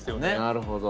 なるほど。